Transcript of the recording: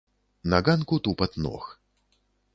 На ганку тупат ног.